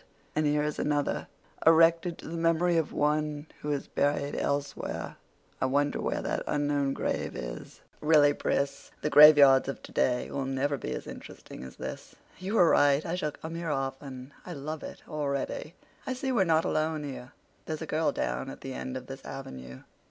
And here is another 'erected to the memory of one who is buried elsewhere.' I wonder where that unknown grave is. Really, Pris, the graveyards of today will never be as interesting as this. You were right—I shall come here often. I love it already. I see we're not alone here—there's a girl down at the end of this avenue."